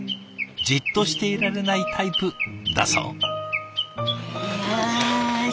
じっとしていられないタイプだそう。